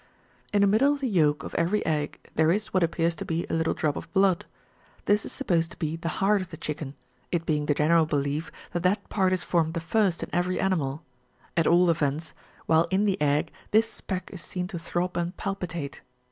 In the middle of the yolk of every egg there is what ap pears to be a little drop^^ of blood; this is supposed to be the heart of the chicken, it being the general belief that that part is formed the first in every animal : at all events, while in the egg this speck is seen to throb and palpitate.